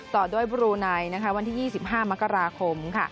ต่อด้วยบรูไนวันที่๒๕มกราคม